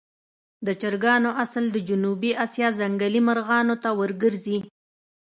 د چرګانو اصل د جنوبي آسیا ځنګلي مرغانو ته ورګرځي.